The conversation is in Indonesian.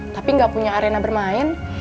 tapi nggak punya arena bermain